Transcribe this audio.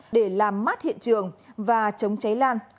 để làm mát hiện trường và chống cháy lan